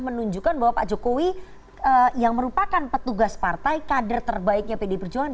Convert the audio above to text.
menunjukkan bahwa pak jokowi yang merupakan petugas partai kader terbaiknya pd perjuangan